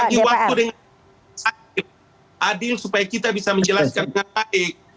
kita harus berhati hati adil adil supaya kita bisa menjelaskan dengan baik